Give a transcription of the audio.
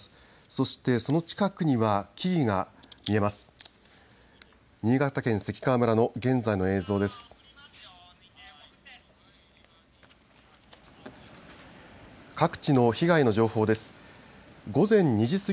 そしてその近くには木々が見えます。